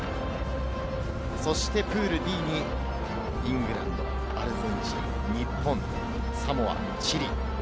そしてプールＤにイングランド、アルゼンチン、日本、サモア、チリ。